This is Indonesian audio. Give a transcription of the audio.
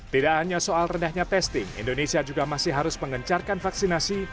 tidak hanya soal rendahnya testing indonesia juga masih harus mengencarkan vaksinasi